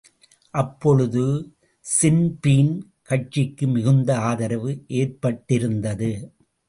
அப்போழுது Sinn Féin கட்சிக்கு மிகுந்த ஆதரவு ஏற்பட்டிருந்தது.